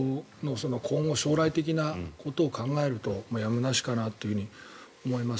今後、将来的なことを考えるとやむなしかなと思います。